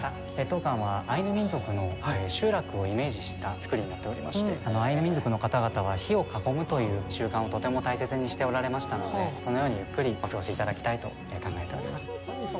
当館は、アイヌ民族の集落をイメージした造りになっておりましてアイヌ民族の方々は火を囲むという習慣をとても大切にしておられましたのでそのようにゆっくりお過ごしいただきたいと思って考えております。